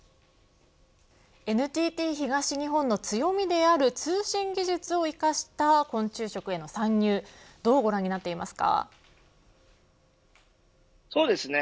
ＮＴＴ東日本の強みである通信技術を生かした昆虫食への参入どうご覧になっていますか。